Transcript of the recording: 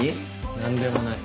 何でもない。